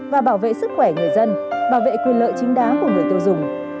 và bảo vệ sức khỏe người dân bảo vệ quyền lợi chính đáng của người tiêu dùng